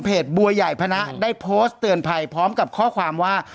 บัวใหญ่พนะได้โพสต์เตือนภัยพร้อมกับข้อความว่า